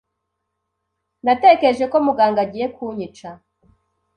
Natekereje ko muganga agiye kunyica.